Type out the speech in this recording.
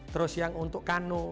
terus yang untuk kano